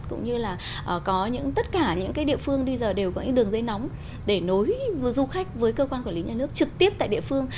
cũng như là có tất cả những địa phương bây giờ đều có những đường dây nóng để nối du khách với cơ quan quản lý nhà nước trực tiếp tại địa phương